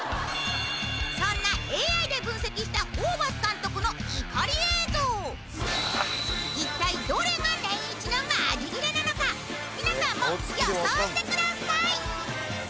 そんなＡＩで分析したホーバス監督の怒り映像一体どれがネンイチ！のマジギレなのか皆さんも予想してください